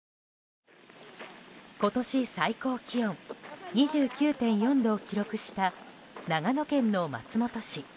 今年最高気温２９．４度を記録した長野県の松本市。